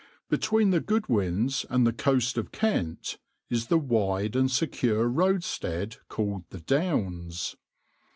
\par Between the Goodwins and the coast of Kent is the wide and secure roadstead called the Downs.